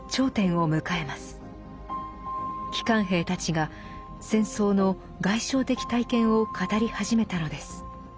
帰還兵たちが戦争の外傷的体験を語り始めたのです。